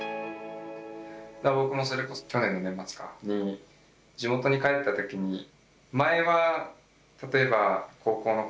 僕もそれこそ去年の年末かに地元に帰ったときに前は例えばうんうん。